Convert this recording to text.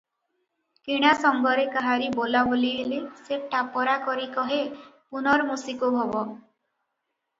କିଣା ସଙ୍ଗରେ କାହାରି ବୋଲା ବୋଲି ହେଲେ, ସେ ଟାପରା କରି କହେ:- "ପୁନର୍ମୂଷିକୋଭବ ।"